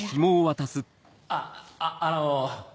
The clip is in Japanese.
あっあの。